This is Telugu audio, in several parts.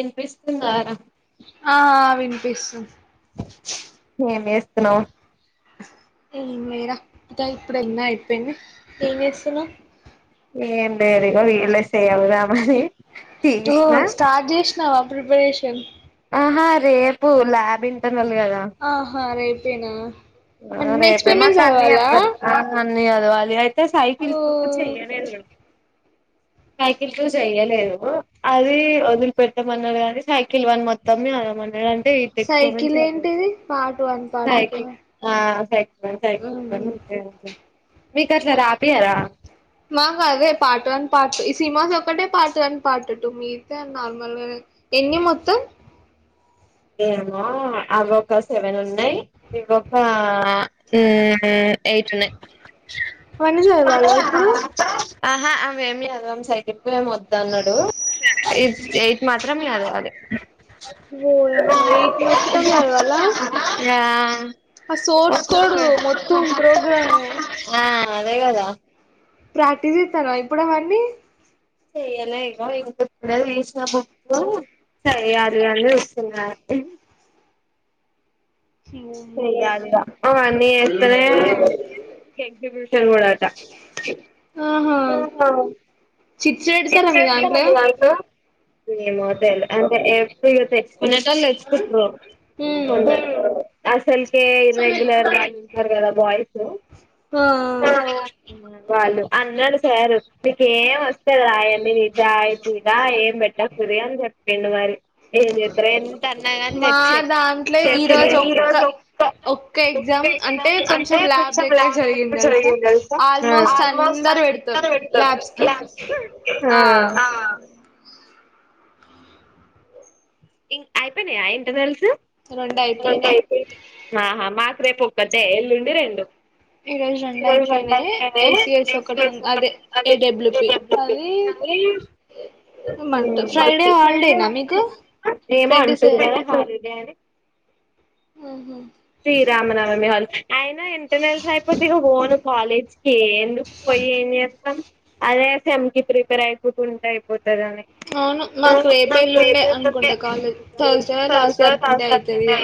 ఇన్పిస్తుందారా పీస్తుం ఏం చేస్తున్నవ్ ఏం లేర ఇంకా ఇప్పుడెనై అయ్పోయినై ఎంచేస్తున్నవ్ ఏం లేదిగొ రియల్నే చెయ్యాలని ఓ తీష్ణ స్టార్ట్ చేసినావా ప్రిపరేషన్ అహా రేపు లాబ్ ఇంటర్ ఆహా రేపెనా ఆ రేపే మాకన్ని చెప్పరు ఆ అన్ని చదువలి అయితే సైకిల్తో ఓ చెయలెద్ గద్ సైకిల్ టూ చెయలేదు అది ఒదిలి పెట్టమన్నడ్ కానీ సైకిల్ వన్ మొత్తం చదమన్ లేదంటే ఇది తెస్కపాయ్ సైకిల్ చదువు ఏంటిది part one part two cycle ఆ టెట్ వన్ టెట్ ట్వ మీక్ అట్ల రాపియర మాక్ అదె పార్ట్ వన్ పార్ట్ టు ఈ సిమాస్ ఒక్కటే పార్ట్ వన్ పార్ట్ టూ మీకె నార్మల్గ ఎన్ని మొత్తం ఏమో అవి ఒక సెవెన్ ఉన్నాయి ఇవి ఒక ఆ హ్మ్ మ్ ఎయిట్ఉన్నాయ్ అవన్నీ చదవాలా ఇప్పుడు ఆహా అవేమి సద్వం సైకిప్పు ఎం వద్దు అన్నాడు ఎయిట్ మాత్రమ్ చద్వాలి [unintelligible] ఎయిట్ మొత్తం చదవాలా య ఆ సోర్స్ కోడ్ మొత్తం ప్రోగ్రాము ఆ అదేగాదా ప్రాక్టీస్ ఇస్తానవ ఇప్పుడు అవన్నీ చేయాలె ఇగో ఇప్పుడే తీసిన బూకు సరే ఆదివారం ఇస్తున్న చేయాలి లిగా అ అన్నీ ఎస్తనే ఎక్ససిక్యూటర్ కూడా అట ఆహా చిట్స్ పెడతారా మీదాంట్ల ఏమో తెల్ అంటే ఎప్పుడు తెచ్చుకునేటోలు తెచ్చుకుటారు అసలకే ఇర్రెగ్యులర్గా ఉన్నారు కదా బాయ్స్ హ హ వాళ్ళు అందరూ తెరు ఈటెవాస్తారు రెండు మరి ఏంచేస్తారో ఎన్ ఎంత అనగాని తెచ్చి ఈరోజు ఒక్క హ్మ్ అంటే కొంచెం ల్యాబ్ వర్క్ జరిగింది తెలుసా ఆల్మసోట్ అందరూ వెళ్లిపోయారు లాబ్స్కి హ అయిపోయినియా ఇంటర్నేల్సు రెండు అయిపోయినాయి ఆహ్ హ రేపు ఒకటే ఎల్లుండి రెండు ఈ రోజు ఈరోజు రెండు అయిపోయినాయి ఏసిఎస్ అయిపోయినాయి ఉంది అదే ఒకటి ఉన్నది ఏడబ్ల్యూపి అది ఏమంటారు ఫ్రైడే హాలిడేనా మీకు [unintelligible] [unintelligible] ఏమో ట్వంటీ అంటూరు కదా హాలిడే అని సెవెన్ శ్రీరామనవమి హల్ అయిన ఇంటర్నెల్స్ అయిపోతే ఇగ పోను కాలేజ్కి ఎందుకు పోయి ఏం చేస్తాం అదే సెమ్కి ప్రిపేర్ అయిపోతు ఉంటే అయిపొ అవును నాకు రేపే ఎల్లుండి అయిపోయిందండి అనుకుంటా కాలేజ్ తరుస్డే రోజు లాస్ట్ వర్కింగ్ డే అయితది ఇగ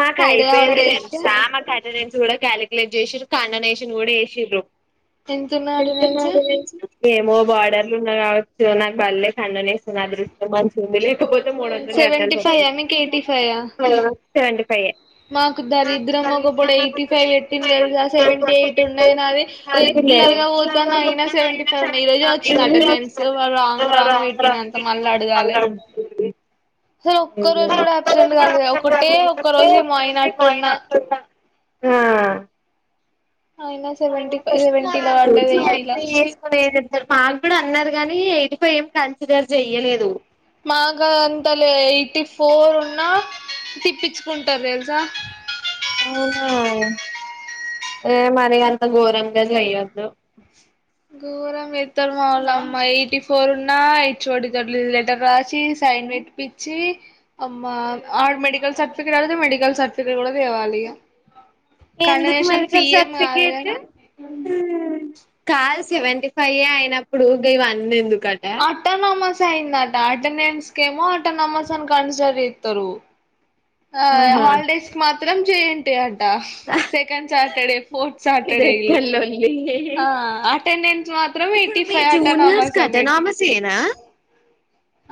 మాకు ఫ్రైడే అయిపోయింది హాలిడే ఇస్తే తెల్సా మాకు అటెండెన్స్ కూడా క్యాలిక్యులేట్ చేశిరు కండోనేషన్ కూడా ఏసిరు ఎంతున్నయి అటెండెన్స్ ఏమో బార్డర్లు ఉన్నాయా ఆహ్ నాక్ బడలే కండోనేషన్ అదృష్టం మంచిగా ఉంది లేకపో మూడేగ్జామలు సెవెంటీ ఫైవ్ ఆ కట్టాల్సొచింది మీకు ఆ సేవంటే ఫైవ్ ఎ నాకు దరిద్రం ఒకపుడు ఎయిటీ ఫైవ్ ఎట్టింది తెలుసా సెవెంటీ ఎయిట్ ఉన్నాయి నావి రె రెగ్యులర్ గా వొతన అయినా సెవెంటీ ఫైవ్ ఉన్నాయి ఈ రోజే వచ్చింది అటెండెన్స్ రాంగ్ రాంగ్ వెట్టినంత మల [inaudible] [unintelligible] సో ఒక్క రోజు మరి కూడా అబ్సెంట్ కాలేదు ఒకటే ఒక్క రోజు ఎం హా నా సేవంటి అయిపోయి వెస్కొనిఎంచేదర్ సార్ కూడా అన్నారు గని ఎల్లిపోయాం కన్సిడర్ చేయలేదు మగాఢట్టలేదు ఎయిటీ ఫోర్ ఉన్నా తిట్టించుకుంటారు తెల్సా అవునా హ మరి అంత ఘోరంగా చేయదు తిడ్తార్ మావోలు అమ్మ ఎయిటీ ఫోర్ ఉన్న హె ఓ డి దగ్గర లెటర్ రాసి సైన్ పెట్టిపించి అమ్మ ఆడ్ మెడికల్ సర్టిఫికేట్ అడిగితే మెడికల్ సర్టిఫికేట్ కూడా తేవాలి ఇగ ఎందుకు కండనేషన్ ఫీ మెడికల్ ఏం కాదు గాని సర్టిఫికెటు ఉ కాద్ సేవేంటిఫైవ్ అయినప్పుడు గివన్ ఎందుకు ఆట్టనొమస్ అయిందట అటెండెన్స్ కెమో అటొనమస్ అని కన్స్డర్ ఏతరు ఆ ఆహా హాలిడేస్క్ మాత్రం జె ఏన్ టి య్ అంట సెకండ్ సాటర్డే ఫోర్త్ సాటర్డే ఇల్ల ఇదెక్కడ లొల్లి ఆ అటెండెన్స్ మాత్రం ఇప్పుడు ఎయిటీ మీ ఫైవ్ జూనియర్స్ అటానామస్ అని పెట్టి కటనామస్ ఏనా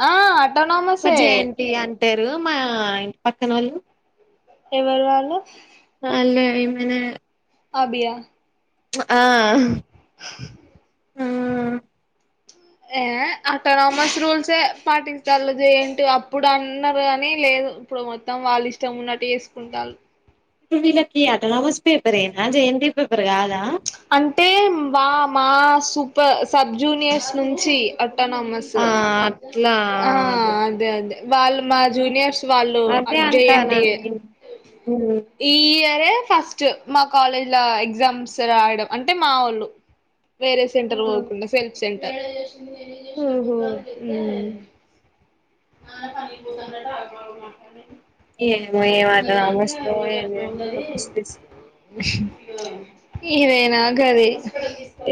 ఆ ఆటోనమస్ ఏ చెప్పారు మా ఇంటి పక్కన ఓళ్ళు యావలాలు ఇ మనే అభి ఆ ఆ ఆ ఏ అటనమస్ రూల్సే పాటించుతాల్ జె ఏన్ టి య్ అప్పుడు అన్నార్ గని లేద్ ఇప్పుడు మొత్తం వాళ్ళు ఇష్టం ఉన్నట్టు చేసుకుంటాళ్ ఇప్పుడు వీలకి అటనమస్ పేపర్ ఏనా J N T U paper గాదా అంటే మా మా సూప సబ్ జూనియర్స్ నుంచి అటనమస్ ఆ ఏ అట్లా ఆ అదే అదే వాళ్లు మా జూనియర్స్ వాళ్ళు అ అదే అంటాను జేఎన్టి ఏ నేను ఈ ఇయర్ అతే ఫస్ట్ మా కాలేజ్ ల ఎగ్జామ్స్ రాయడం అంటే మా ఓళ్ళు వేరే సెంటర్ పొకుండ సెల్ఫ్ సెంటర్ ఓహో ఉ హ పనికి పోకుండా ఏమో ఎం ఆటోనమస్ ఓ ఏమో అంత పిచ్చిలేసుంది ఇదే నాగది [unintelligible]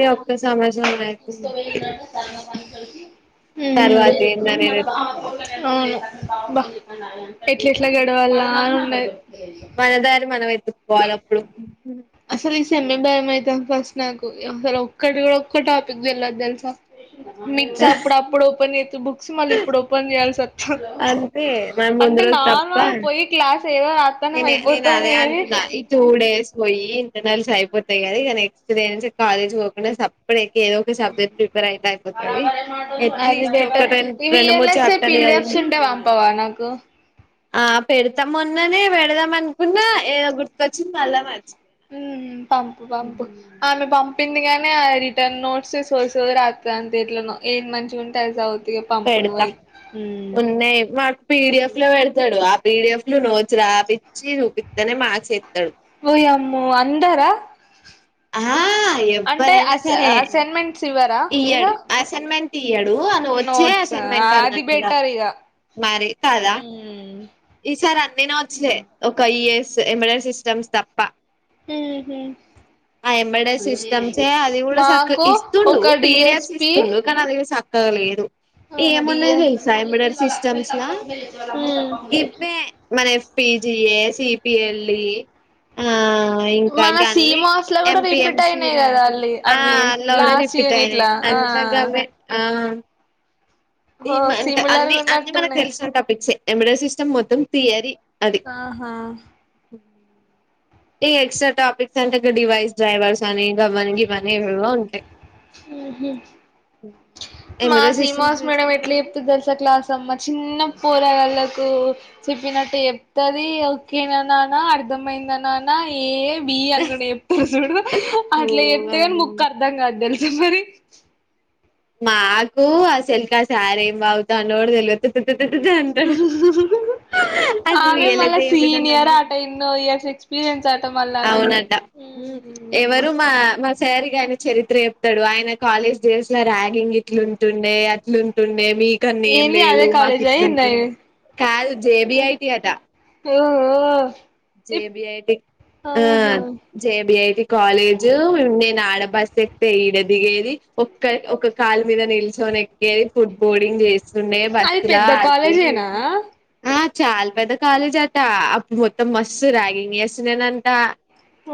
ఈ ఒక్క సంవత్సరం అయితే తర్వాత ఏందనేది ఉ వెతుక్కోవాలి ఆవును బ్బా ఎట్లా ఎట్లా గడవాల అని ఉంనది మనదారి మనం ఎత్తుకోలి అప్పుడు సెమ్మె భయం అయ్తాంది ఫస్ట్ నాకు అసలు ఒక్కటి కూడ ఒక్క టాపిక్ తెల్వద్ తేల్స మిక్స్ అప్పుడు అప్పుడు ఓపెన్ చెతె బుక్స్ మళ్ళీ ఇప్పుడు ఓపెన్ చేయాల్సి ఒత్ అంతే మమ్ ముందు రోజ్ తప్ప నార్మల్గా పోయి క్లాస్ ఏదో రాత్తనం నేన్ నేను అయిపోతాంది అదే కానీ అంటున్న ఈ టూ డేస్ పోయి నల్స్ అయిపోతయ్ గద ఇగ నెక్స్ట్ డే నుంచి కాలేజ్ పోకుండ సప్పడేక్ ఏదో ఒక సబ్జెక్ట్ ప్రిపేర్ అయితే అయిపోతది అది అట్లీస్ట్ ఒక రెం రెండు మూడు చాప్టర్లు చదివి న్ టే వంపవ నాకు ఆ పెడ్తం మొన్ననే పెడదాం అనుకున్న ఎదో గుర్తుకొచ్చింది మళ్ళ మర్చి ఉహు పంపు పంపు ఆమె పంప్ పిందిగానే ఆ రిటర్న్ నోట్స్ సొ సార్ అట్ల అంటే ఎట్లనో ఏది మంచిగ ఉంటె అది సద్ పెడతా ఉన్నయ్ మాక్ పిడిఎఫ్ లో వెడ్తడు పీడిఎఫ్ లు నోట్స్ రాపిచ్చి చూపితనే మార్క్ ఏ ఓ యమ్మో అందరా ఆ అంటే ఎవ్వరైన అస్ సరే అసైన్మెంట్స్ ఇవ్వరా ఇగ ఇయ్యడు అసైన్మెంట్ ఇయ్యడు అని వచ్చే అ నోట్స్ అసైన్మెంట్ అది అన్నటుగ బెటర్ ఇగ మరి కాద మ్మ్ ఈసారి అన్ని నోట్స్లె ఒక ఇఏఎస్ ఏంబడే సిస్టమ్స్ తప్ప ఉహు ఐ ఎంబడె సిస్టమ్స్ ఏ అది గుడ సక్క మాకు ఇస్తుండు ఒక పిడిఎఫ్స్ డిఎస్పి ఇస్తుండు కనీ అది సక్ కగ లేదు ఏమున్నయ్ డిఎస్ తెలుసా ఏంబడే సిస్టమ్స్ లా గివ్వే మన పిజిఏ సిపిఎల్ ఇ ఆ ఇంక మన గన్ని సిమాస్ లో కూడా రిపీట్ ఎంపీఎంస అయినాయి కదా లాంటిది అల్లి ఆ అవి అల్ల గుడ లాస్ట్ రిపీట్ యూనిట్ల అయినయ్ ఆ ఎంతగావ్వే ఆ ఓ ఏమంటే అన్ని సిమిలర్గా అన్ని మనకు ఉన్నట్టున్నాయి తెలిసిన టాపిక్సే ఎమిడో సిస్టమ్ మొత్తం థియరీ అది ఆహా ఇగ ఎక్సట్రా టోపిక్స్ అంటే గ డైవైజ్ డైవర్స్ని గవ్వని గివ్వని ఏవేవో ఉంటాయ్ మా సీనమాస్ మేడం ఎట్లా చెప్తే గట్ల క్లా సమ్మ చిన్న పోరగాళ్ళకు చెప్పినట్టు చెప్తది ఓకేననా అర్థమైంద నాన్న ఏ బి అనుకుంట చెప్తారు చూడు ఓ అట్లా చెప్తది కానీ అమ్మో ముక్కు అర్థం కాదు తెల్ సా మరి నాకు ఆసెల్కి ఆ సార్ ఏం వాగ్గుతాండో కూడ తెల్వద్ అసలు ఆమె రియలైజ్ మళ్ళా సీనియర్ చేయబిడ్డోలందరూ ఆట ఎన్నో ఇయ క్స్పీరియన్స్ అట మళ్ళా ఆమెకు అవునంట అమ్మ ఎవరు మా మా సర్ గాని చరిత్ర చెప్తాడు ఆయన కాలేజ్ డేస్ ల ర్యాగింగ్ ఇట్లుంటుండే అట్లుంటుండే మీకన్న ఏం ఏంది అదే లేదు మాకు కాలేజా ఏంది ఇట్లుంటుం కాదు జేబిఐటి అట మ్మ్ మ్ జేబిఐటి ఇప్ ఆ ఆహా జేబి ఐటీ కాలేజ్ నేను ఆడబస్ ఎక్తే ఈడ దిగేది ఒక్క ఒక కాళ్ మీద నిల్ నిల్చొనేక్కేది ఫుట్ బోర్డింగ్ చేస్తుండే అది బస్సులా పెద్ద అది కాలేజేనా ఇద్ ఆ చాలా పెద్ద కాలేజ్ అట అప్పుడు మొత్తం మస్తు ర్యాగింగ్ చేస్తుడెనంట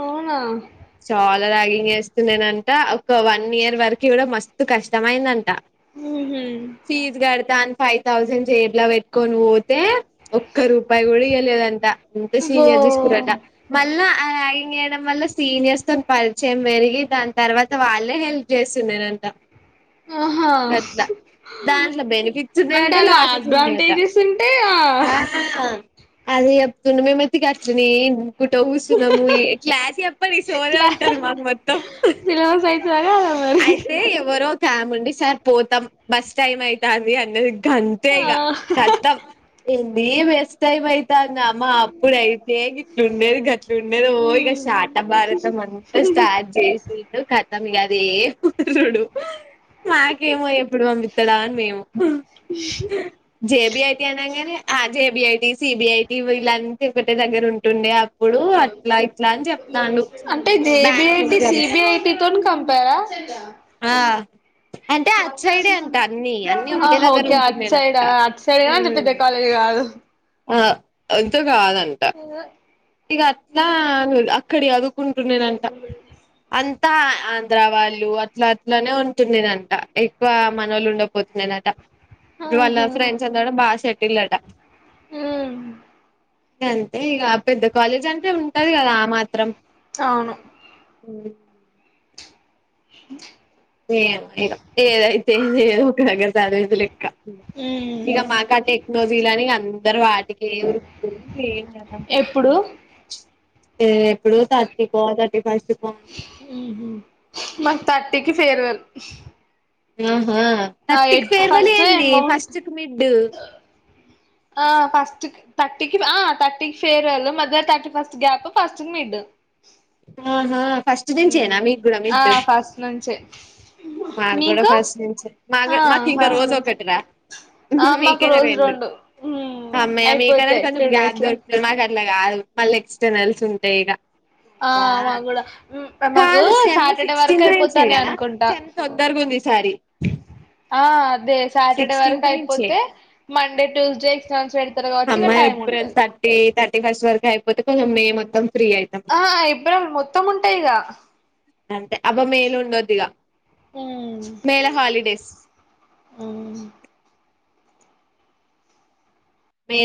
అవునా అలా రాగింగ్ చేస్తుడెనంట ఒక వన్ ఇయర్ వరకు కూడా మస్తు కష్టమైదంట మ్ హు అని ఫైవ్ థౌసండ్ జెబ్ ల పెట్ కొని పోతే ఒక్క రూపాయి కూడా ఇయ్యలేదంట అంత అబ్బో సీనియర్ తీసుకురట ల్ల ఆ ర్యాగింగ్ చేయడం వల్ల సీనియర్స్ తోని పరిచయం పెరిగి దాని తర్వాత వాళ్ళే హెల్ప్ చేస్తుడె నంట ఆహా గట్లా దాంట్ల బెనిఫిట్స్ ఉన్నాయ అంటే అట అలా లాసెస్ ఉన్నాయట అడ్వాంటేజెస్ ఉంటే ఆ అదే చెప్తుండు మేం అయితే గట్లనే ఇన్ కుంట కూసున్నాము క్లాస్ చెప్పడు ఇ సోదే ఉంటది మాకు మొత్తం సిలబస్ అయితదా కాదా మరి అయితే ఎవరో ఒకముండి సార్ పోతాం బస్ టైమ్ అయితంది అన్నది గంతే ఆ ఇగ కతం ఏంది బస్ట్ టైం అయితంద మ అప్పుడైతే ట్లుండేది గట్లుండేది ఓ ఇగ శాటభారతం అంతా స్టార్ట్ చేసిండు కత్ తం ఇగ అదే కుటుండు మాకేమో ఎప్పుడు పంపిత్తడా అని మేము జేబి ఐటి అనంగానే ఆ జేబిఐటి సిబిఐటి వీళ్లంతా ఒకటే దగ్గర ఉంటుండే అప్ అంటే బ్యాంక్ జైబిఐటి ఎగ్జామ్స్ సిబిఐటి తోని కంప్ పైర ఆ అంటే అటు సైడే అంట అన్ని అన్ని ఒకటే అహ దగ్గర ఒకే అట్ సైడ ఉంటుండేనంట అట్ సైడ ఆ ఉమ్ పెద్ద కాలే కాదు ఆ అంత కాదంట ఇగ అట్లా అని అక్కడ చదువ్ ట ఆ ఆంధ్ర వాళ్ళు అట్లా అట్లనే ఉంటుండెనంట ఎక్కువ మనోళ్లుఉండపోతుండెనట ఇప్పుడు వాళ్ళ ఆహా ఫ్రెండ్స్ అంత కూడ బాగా సెటిల్డ్ అట మ్ గం తె ఇగ పెద్ద కాలేజ్ అంటే ఉంటది కదా ఆ మాత్రం అవును మ్ ఉ ఏమొ ఇగ ఏదైతే ఏంది ఏదో ఒక దగ్గర సదివేదిలెక్క మ్ ఇగ మాక టెక్నోజీలని అందరు వాటికె ఉరుకుతురు ఏం ఎప్పుడు థర్టీ కో థర్టీ ఫస్ట్ కో అంట మ్ హు మాకు థర్టీకి ఫేర్వెల్ ఆహా ఆ తర్టీకి ఎట్ ఫస్ట్ ఫేర్వలేంది అమౌంట్ ఫస్ట్కి మిడ్ ఆ ఫస్ట్ర్కి తర్టీకి ఆ తర్టీకి ఫేర్వెల్ మద్యల తర్టీ ఫస్ట్కు గప్ ఫస్ట్ కి మిడ్డు ఆహా ఫస్ట్ మ్ నుంచేనా మీకు కూడా ఆ మిడ్ ఫస్ట్ నుంచే మాకు కూడా మీకు ఫస్ట్ నుంచే మా హ మాకు ఇంకా ఫస్టు రోజు నుంచే ఒకటి రా ఆ మాకు రోజు రెండు మ్మ్ హమ్మయ్య మీకన్నా అయిపోతాయి కొంచం టూ డేస్ గ్యాప్ లో దొరుకుతది మాక్ గట్ల కాదు మళ్ళీ ఎక్స్టర్నల్స్ ఉంటాయ్ ఇగ ఆ మాక్కుడా మ్ మాకు కాదు సెమ్ సాటర్డే వరకు సిక్స్టీన్త్ నుంచే అయిపోతానై కదా అనుకుంటా సెమ్ తొందరగా ఉంది ఈసారి ఆ అదే సాటర్డే వరకు సిక్స్టీన్త్ నుంచే అయిపోతే మండే ట్యూస్డే ఎక్సటర్నల్స్ పెడ్ హమ్మాయ్య ఏప్రిల్ థర్టీ థర్టీ ఫస్ట్ వరకు అయిపోతే కొంచెం మే మొత్తం ఫ్రీ అవుతాం ఆ ఏప్రిల్ మొత్తం ఉంటయిగా అంటే అబ్బ మేలుండోద్దిగా మేల హాలిడేస్ మ్ మే